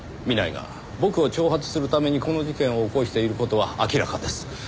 南井が僕を挑発するためにこの事件を起こしている事は明らかです。